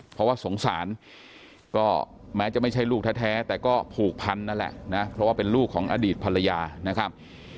เพราะว่าสงสารก็แม้จะไม่ใช่ลูกแท้แต่ก็ผูกพันนั่นแหละนะเพราะว่าเป็นลูกของอดีตภรรยานะครับ